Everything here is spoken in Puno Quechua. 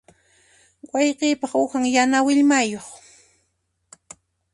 Wayqiypaq uhan yana willmayuq.